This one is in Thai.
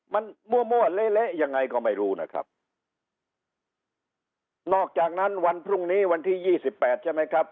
มันมั่วมั่วเละเละยังไงก็ไม่รู้นะครับนอกจากนั้นวันพรุ่งนี้วันที่ยี่สิบแปดใช่ไหมครับ